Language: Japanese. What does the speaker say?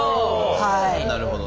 なるほど！